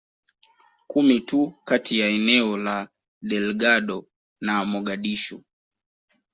kumi tu kati ya eneo la Delgado na Mogadishu